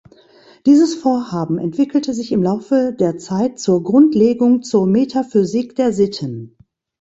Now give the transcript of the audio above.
Dieses Vorhaben entwickelte sich im Laufe der Zeit zur "Grundlegung zur Metaphysik der Sitten".